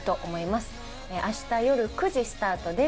明日よる９時スタートです。